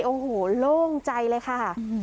โอ้โหโล่งใจเลยค่ะ